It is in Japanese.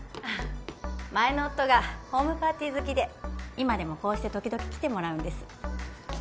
前の夫がホームパーティー好きで今でもこうして時々来てもらうんです